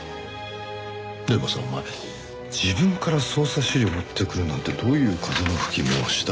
でもさお前自分から捜査資料を持ってくるなんてどういう風の吹き回しだ？